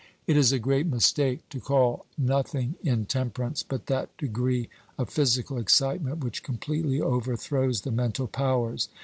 It is a great mistake to call nothing intemperance but that degree of physical excitement which completely overthrows the mental powers.